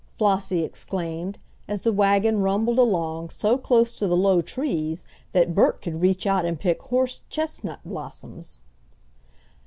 Flossie exclaimed, as the wagon rumbled along so close to the low trees that Bert could reach out and pick horse chestnut blossoms.